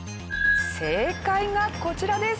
正解がこちらです。